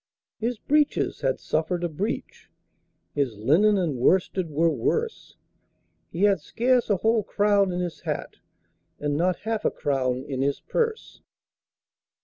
His breeches had suffered a breach, His linen and worsted were worse; He had scarce a whole crown in his hat, And not half a crown in his purse.